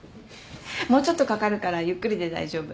もうちょっとかかるからゆっくりで大丈夫。